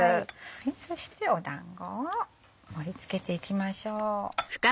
そしてだんごを盛り付けていきましょう。